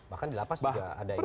bahkan dilapas juga ada indikasi